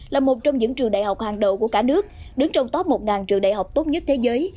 là một trong những trường đại học hàng đầu của cả nước đứng trong top một trường đại học tốt nhất thế giới